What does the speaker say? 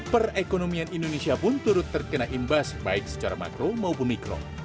perekonomian indonesia pun turut terkena imbas baik secara makro maupun mikro